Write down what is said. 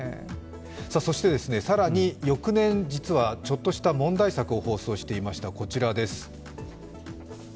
そして更に翌年、実はちょっとした問題作を放送していました、こちらです。